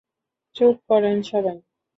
চুপ করেন সবাই।